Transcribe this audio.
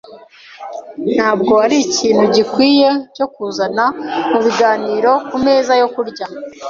Ntabwo arikintu gikwiye cyo kuzana mubiganiro kumeza yo kurya.